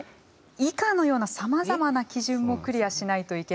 以下のようなさまざまな基準もクリアしないといけないんです。